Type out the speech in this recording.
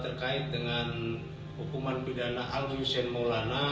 terkait dengan hukuman pidana al hussein maulana